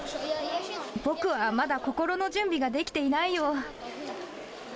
僕はまだ、心の準備ができていないよ。